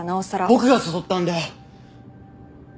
僕が誘ったんだよ。